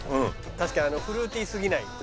確かにフルーティーすぎない。